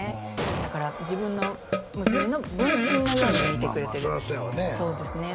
だから自分の娘の分身のように見てくれてるまあそらそうやわね